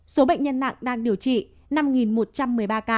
số bệnh nhân nặng đang điều trị năm một trăm một mươi ba ca